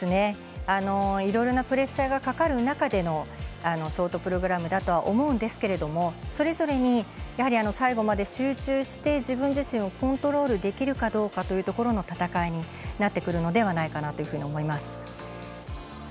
いろいろなプレッシャーがかかる中でのショートプログラムだとは思うんですけれどもそれぞれに最後まで集中して自分自身をコントロールできるかどうかというところの戦いになってくるのではないかなと思います。